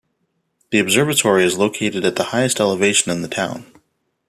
The observatory is located at the highest elevation in the town.